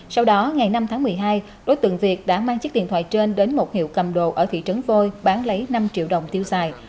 sau đó ngày năm tháng một mươi hai đối tượng việt đã mang chiếc điện thoại trên đến một hiệu cầm đồ ở thị trấn vôi bán lấy năm triệu đồng tiêu xài